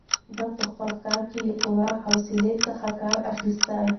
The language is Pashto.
ده په خپل کار کې له پوره حوصلې څخه کار اخیست.